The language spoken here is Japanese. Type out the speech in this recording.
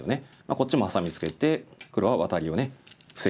こっちもハサミツケて黒はワタリを防ぎます。